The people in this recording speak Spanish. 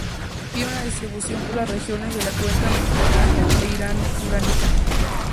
Tiene una distribución por las regiones de la Cuenca mediterránea e Irano-Turánica.